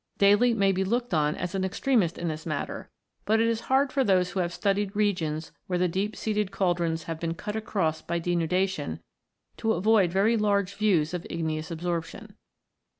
Daly (73) may be looked on as an extremist in this matter ; but it is hard for those who have studied regions where the deep seated cauldrons have been cut across by denudation to avoid very large views of igneous absorption.